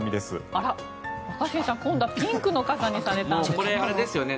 あら、若新さん、今度はピンクの傘にされたんですね。